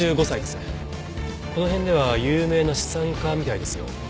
この辺では有名な資産家みたいですよ